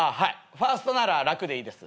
ファーストなら楽でいいです。